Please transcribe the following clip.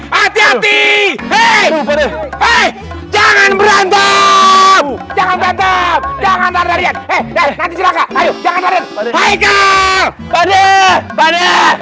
hai hai hai hai hai hai hai hati hati jangan berantem jangan berantem jangan terlihat